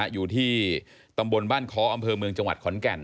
อยู่ที่ตำบลบ้านค้ออำเภอเมืองจังหวัดขอนแก่น